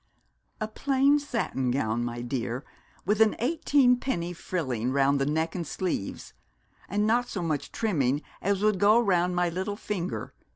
'A plain satin gown, my dear, with an eighteenpenny frilling round the neck and sleeves, and not so much trimming as would go round my little finger.